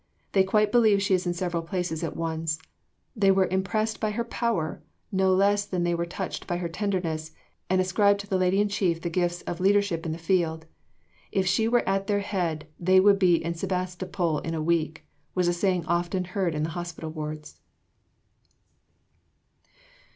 They quite believe she is in several places at once." They were impressed by her power, no less than they were touched by her tenderness, and ascribed to the Lady in Chief the gifts of leadership in the field. "If she were at their head, they would be in Sebastopol in a week;" was a saying often heard in the hospital wards.